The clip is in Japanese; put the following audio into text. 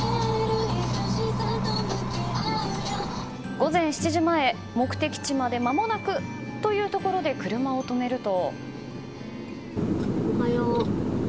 午前７時前、目的地までまもなくというところで車を止めると。